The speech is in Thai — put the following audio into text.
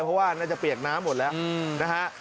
เพราะว่าน่าจะเปียกน้ำหมดแล้วนะฮะ